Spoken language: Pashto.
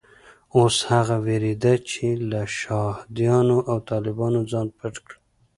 اوس هغه وېرېده چې له شهادیانو او طالبانو ځان پټ کړي.